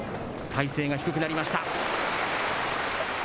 体勢が低くなりました。